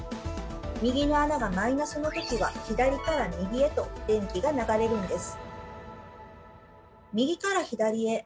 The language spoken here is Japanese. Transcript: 右の穴が「−」の時は左から右へと電気が流れるんです。